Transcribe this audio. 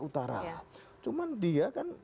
utara cuman dia